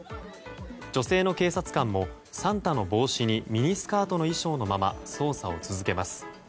女性の警察官もサンタの帽子にミニスカートの衣装のまま捜査を続けます。